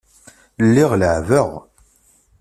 Lliɣ leɛɛbeɣ.